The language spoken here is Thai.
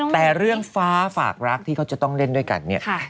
แต่เรื่องฟ้าฝากรักที่เขาจะต้องเล่นด้วยกันเนี่ย